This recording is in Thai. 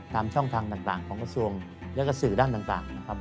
ช่องทางต่างของกระทรวงแล้วก็สื่อด้านต่างนะครับ